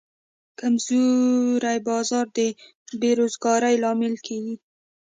کمزوری بازار د بیروزګارۍ لامل کېږي.